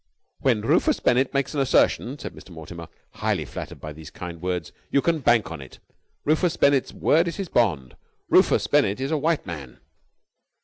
"When Rufus Bennett makes an assertion," said Mr. Mortimer, highly flattered by these kind words, "you can bank on it, Rufus Bennett's word is his bond. Rufus Bennett is a white man!"